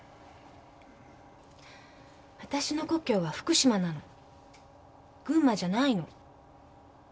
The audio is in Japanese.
わたしの故郷は福島なの群馬じゃないの。